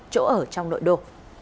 chỗ ở trong nội đô